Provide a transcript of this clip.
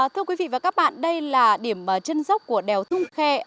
thưa quý vị và các bạn đây là điểm chân dốc của đèo thung khe